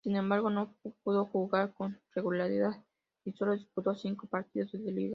Sin embargo, no pudo jugar con regularidad y sólo disputó cinco partidos de liga.